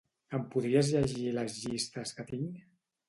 Em podries llegir les llistes que tinc?